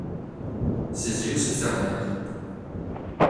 Ses yeux se fermèrent.